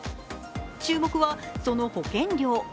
注目は、その保険料。